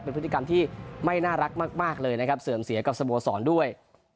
เป็นพฤติกรรมที่ไม่น่ารักมากเลยนะครับเสื่อมเสียกับสโมสรด้วย